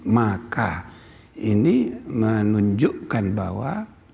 maka ini menunjukkan bahwa